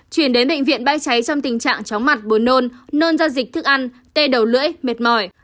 chuyển đến bệnh viện bãi cháy trong tình trạng chóng mặt bốn nôn nôn gia dịch thức ăn tê đầu lưỡi mệt mỏi